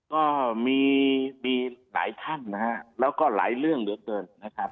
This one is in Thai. ก็มีมีหลายท่านนะฮะแล้วก็หลายเรื่องเหลือเกินนะครับ